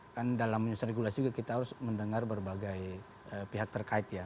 kan dalam menyusun regulasi juga kita harus mendengar berbagai pihak terkait ya